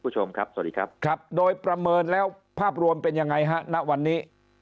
สวัสดีครับโดยประเมินแล้วภาพรวมเป็นยังไงฮะณวันนี้